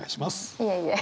いえいえ。